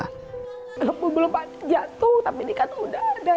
walaupun belum pada jatuh tapi ini kan udah ada